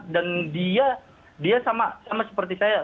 dia sama seperti saya